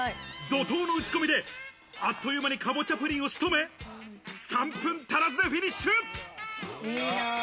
怒涛の打ち込みであっという間にかぼちゃプリンを仕留め、３分足らずでフィニッシュ。